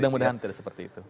mudah mudahan tidak seperti itu